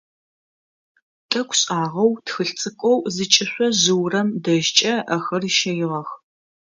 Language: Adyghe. Тӏэкӏу шӏагъэу тхылъ цӏыкӏоу зыкӏышъо жъыурэм дэжькӏэ ыӏэхэр ыщэигъэх.